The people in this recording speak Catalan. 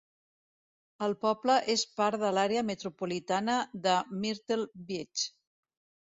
El poble és part de l'àrea metropolitana de Myrtle Beach.